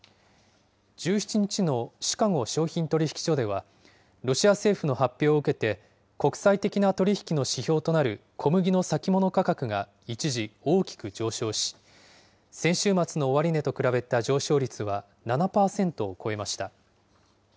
１７日のシカゴ商品取引所では、ロシア政府の発表を受けて、国際的な取り引きの指標となる小麦の先物価格が一時、大きく上昇し、先週末の終値と比べた上昇率は７％を超えました。